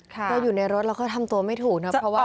เราอยู่ในรถเราก็ทำตัวไม่ถูกนะเพราะว่า